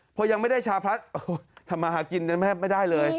พอยังไม่ได้ชาพลัดทำมาหากินแทบไม่ได้เลย